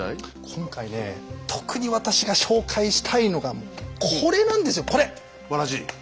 今回ねえ特に私が紹介したいのがこれなんですよこれ！